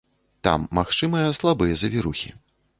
Там магчымыя слабыя завірухі.